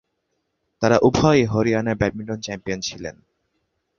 তারা উভয়েই হরিয়ানার ব্যাডমিন্টন চ্যাম্পিয়ন ছিলেন।